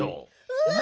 うわ！